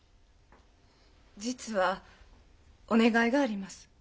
実はお願いがあります。